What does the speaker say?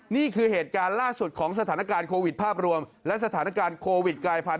นี่คือเหตุการณ์ล่าสุดของสถานการณ์โควิดภาพรวมและสถานการณ์โควิดกลายพันธ